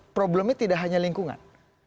problemnya tidak hanya lingkungan